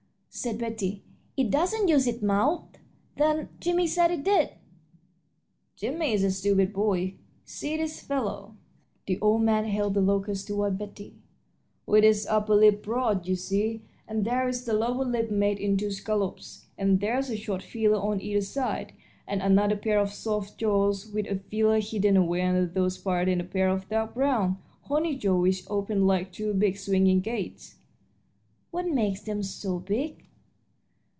said Betty, "it doesn't use its mouth, then? Jimmie said it did." "Jimmie's a stupid boy. See this fellow." The old man held the locust toward Betty. "With its upper lip, broad, you see; and there is the lower lip made in two scallops, and there's a short feeler on either side, and another pair of soft jaws with a feeler. Hidden away under those parts is a pair of dark brown, horny jaws which open like two big swinging gates." "What makes them so big?"